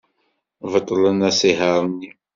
Beṭlen asihaṛ-nni.